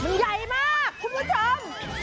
มันใหญ่มากคุณผู้ชม